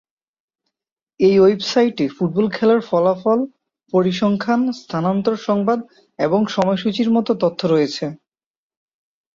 এই ওয়েবসাইটে ফুটবল খেলার ফলাফল, পরিসংখ্যান, স্থানান্তর সংবাদ এবং সময়সূচী মতো তথ্য রয়েছে।